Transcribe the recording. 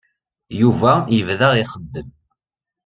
Yuba yebda ixeddem.